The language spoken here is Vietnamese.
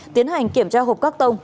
tiến hành kiểm tra hộp các tông